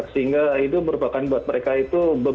sehingga itu merupakan beban moral yang cukup besar